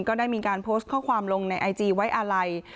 ก็ได้มีการโพสต์ข้อความลงในไอจีไว้อาลัย